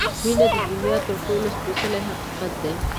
• مینه د دنیا تر ټولو سپېڅلی حقیقت دی.